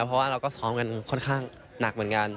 เพราะว่าเราก็ซ้อมกันค่อนข้างหนักเหมือนกัน